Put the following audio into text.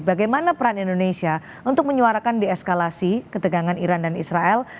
bagaimana peran indonesia untuk menyuarakan dieskalasi ketegangan iran dan israel